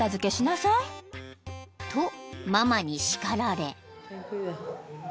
［とママにしかられ］